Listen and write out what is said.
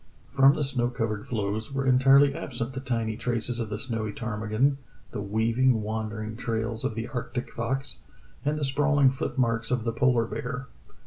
From the snow covered floes were entirely absent the tiny traces of the snowy ptarmigan, the weaving, wandering trails of the arctic fox, and the sprawling foot marks of the polar bear.